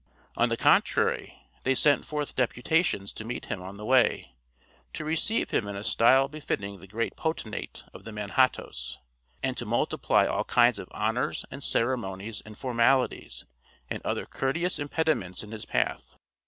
On the contrary, they sent forth deputations to meet him on the way, to receive him in a style befitting the great potentate of the Manhattoes, and to multiply all kinds of honors, and ceremonies, and formalities, and other courteous impediments in his path.